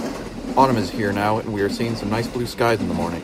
Autumn is here now, and we are seeing some nice blue skies in the morning.